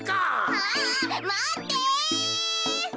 あまって！